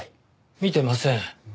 見てません。